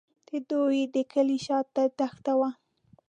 د دوی د کلي شاته دښته وه.